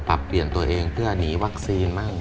ปรับเปลี่ยนตัวเองเพื่อหนีวัคซีนมั่ง